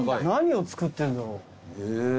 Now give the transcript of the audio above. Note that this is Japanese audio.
何を作ってるんだろう？